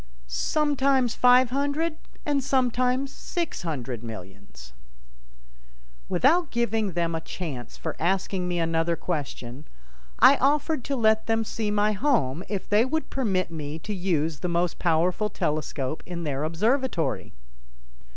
"Sometimes five hundred and sometimes six hundred millions." Without giving them a chance for asking me another question I offered to let them see my home if they would permit me to use the most powerful telescope in their observatory.